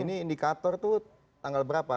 ini indikator tuh tanggal berapa